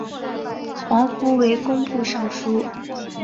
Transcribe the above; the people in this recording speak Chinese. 黄福为工部尚书。